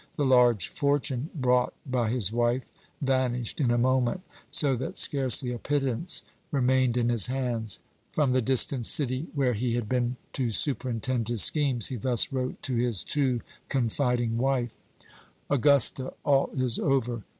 The large fortune brought by his wife vanished in a moment, so that scarcely a pittance remained in his hands. From the distant city where he had been to superintend his schemes, he thus wrote to his too confiding wife: "Augusta, all is over!